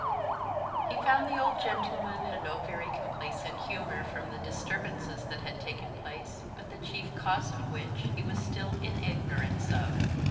_ HE found the old gentleman in no very complaisant humour, from the disturbances that had taken place, but the chief cause of which he was still in ignorance of.